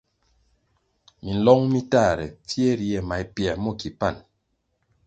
Minlong mi tahre, mpfie ri ye mapiē mo ki pan.